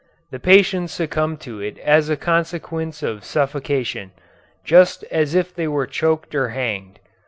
The patients succumb to it as a consequence of suffocation, just as if they were choked or hanged.